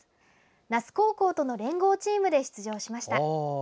那須高校との連合チームで出場しました。